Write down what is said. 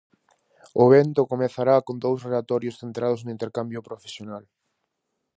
O evento comezará con dous relatorios centrados no intercambio profesional.